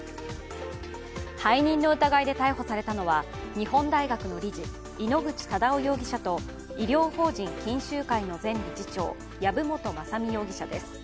背任の疑いで逮捕されたのは日本大学の理事井ノ口忠男容疑者と医療法人、錦秀会の前理事長籔本雅巳容疑者です。